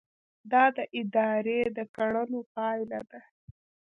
دا د ادارې د کړنو پایله ده.